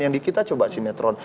yang kita coba sinetron